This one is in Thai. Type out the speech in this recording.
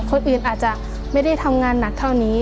คนอื่นอาจจะไม่ได้ทำงานหนักเท่านี้